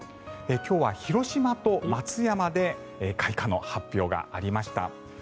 今日は広島と松山で開花の発表がありました。